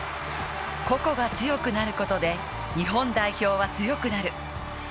個々が強くなることで、日本代表は強くなる。